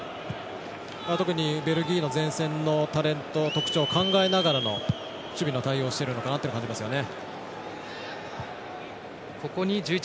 特にベルギーの前線のタレント考えながらの守備の対応してるんだなと感じますよね。